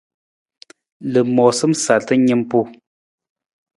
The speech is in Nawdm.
Lamoosam sarta nimpa.